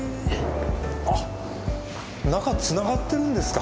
あっ中つながってるんですか？